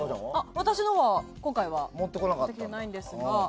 私のは今回は持ってきてないんですが。